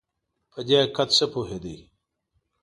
په دې حقیقت ښه پوهېدی.